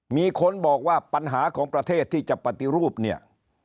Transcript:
มีคนบอกว่าปัญหาของประเทศที่จะปฏิรูปเนี่ย